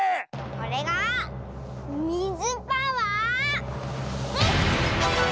これがみずパワーです！